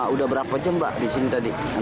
udah berapa jam mbak disini tadi antre